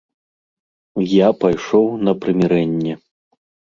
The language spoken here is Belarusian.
Я пайшоў на прымірэнне.